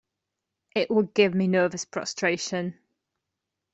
It would give me nervous prostration.